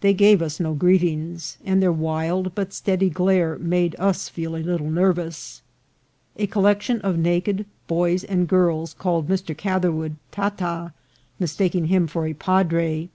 They gave us no greetings, and their wild but steady glare made us feel a little nervous. A collection of na ked boys and girls called Mr. Catherwood " Tata," mistaking him for a padre.